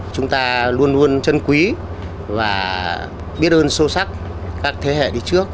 chúng ta luôn luôn chân quý và biết ơn sâu sắc các thế hệ đi trước